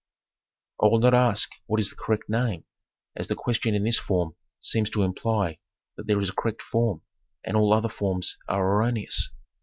I will not ask what is the correct name, as the question in this form seems to imply that there is a correct form, and all other forms are erroneous.